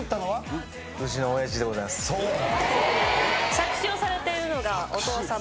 作詞をされてるのがお父さま。